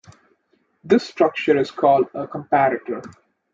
This structure is called a "comparator".